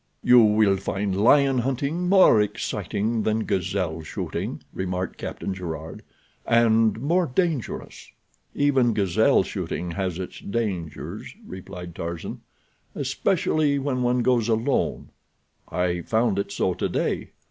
"You will find lion hunting more exciting than gazelle shooting," remarked Captain Gerard, "and more dangerous." "Even gazelle shooting has its dangers," replied Tarzan. "Especially when one goes alone. I found it so today.